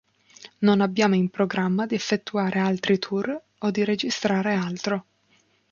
Non abbiamo in programma di effettuare altri tour o di registrare altro.